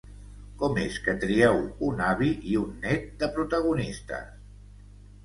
Com és que trieu un avi i un nét de protagonistes?